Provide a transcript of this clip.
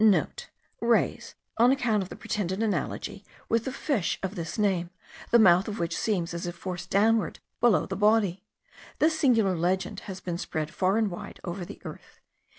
(* Rays, on account of the pretended analogy with the fish of this name, the mouth of which seems as if forced downwards below the body. This singular legend has been spread far and wide over the earth.